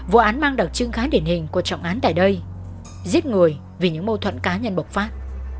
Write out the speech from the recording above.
vụ án mang đặc trưng khá điển hình của trọng án tại đây giết người vì những mâu thuẫn cá nhân bộc phát